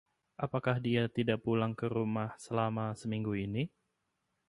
Apakah dia tidak pulang ke rumah selama seminggu ini..?